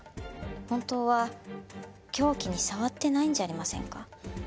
本当は凶器に触ってないんじゃありませんか？